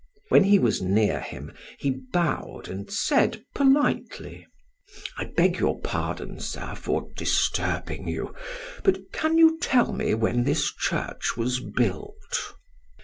When he was near him, he bowed and said politely: "I beg your pardon, sir, for disturbing you; but can you tell me when this church was built?"